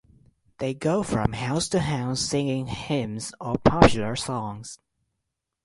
They go from house to house singing hymns or popular songs.